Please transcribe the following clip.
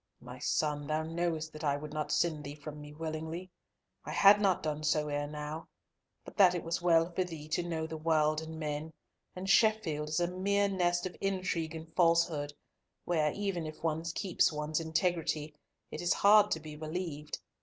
"My son, thou knowest that I would not send thee from me willingly. I had not done so ere now, but that it was well for thee to know the world and men, and Sheffield is a mere nest of intrigue and falsehood, where even if one keeps one's integrity, it is hard to be believed.